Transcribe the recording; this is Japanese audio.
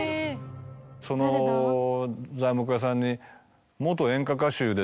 その材木屋さんに。